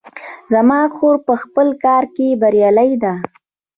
زما خور په خپل کار کې بریالۍ ده